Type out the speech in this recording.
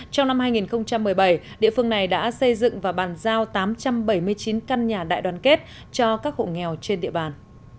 trong năm hai nghìn một mươi bảy địa phương này đã xây dựng và bàn giao tám trăm bảy mươi chín căn nhà đại đoàn kết cho các hộ nghèo trên địa bàn